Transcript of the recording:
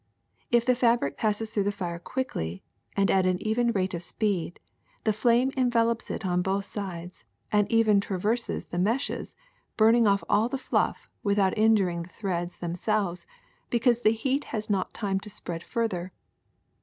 If the fabric passes through the fire quickly and at an even rate of speed, the flame en velops it on both sides and even traverses the meshes, burning off all the fluff without injuring the threads themselves, because the heat has not time to spread further.